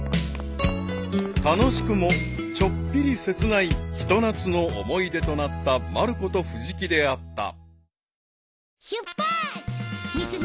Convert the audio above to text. ［楽しくもちょっぴり切ないひと夏の思い出となったまる子と藤木であった］